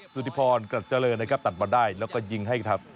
สุธิพรกรัฐเจริญนะครับตัดมาได้แล้วก็ยิงให้ทำ